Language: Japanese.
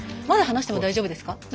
まだ話しても大丈夫ですか？